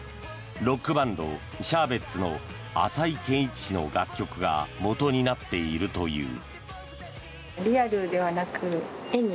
ロックバンド、ＳＨＥＲＢＥＴＳ浅井健一氏の楽曲がもとになっているという。